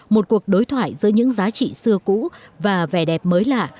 một cuộc đối thoại giữa những giá trị xưa cũ và vẻ đẹp mới lạ